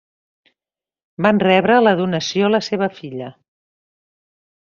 Van rebre la donació la seva filla.